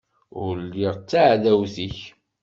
Ur lliɣ d taɛdawt-ik.